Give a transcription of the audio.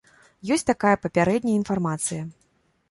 Ёсць такая папярэдняя інфармацыя.